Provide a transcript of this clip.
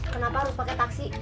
kenapa harus pakai taksi